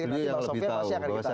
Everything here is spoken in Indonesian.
beliau yang lebih tahu